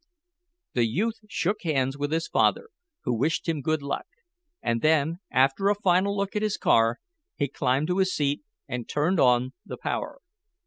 The youth shook hands with his father, who wished him good luck, and then, after a final look at his car, he climbed to his seat, and turned on the power.